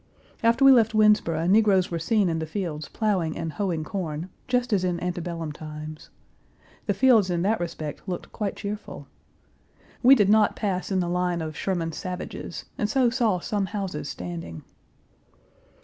After we left Winnsboro negroes were seen in the fields plowing and hoeing corn, just as in antebellum times. The fields in that respect looked quite cheerful. We did not pass in the line of Sherman's savages, and so saw some houses standing.